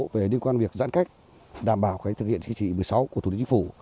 về liên quan việc giãn cách đảm bảo cái thực hiện cái chỉ thị một mươi sáu của thủ đức chính phủ